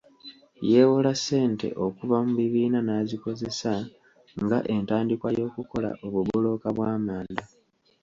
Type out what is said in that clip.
Yeewola ssente okuva mu bibiina n'azikozesa nga entandikwa y'okukola obubulooka bw'amanda.